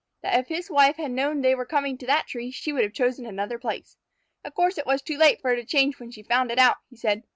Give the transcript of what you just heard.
That if his wife had known they were coming to that tree, she would have chosen another place. "Of course it was too late for her to change when she found it out," he said.